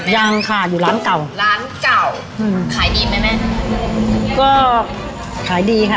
ยังค่ะอยู่ร้านเก่าร้านเก่าอืมขายดีไหมแม่ก็ขายดีค่ะ